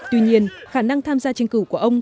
tuy nhiên khả năng tham gia tranh cử của ông